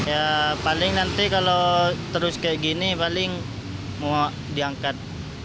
ya paling nanti kalau terus kayak gini paling mau diangkat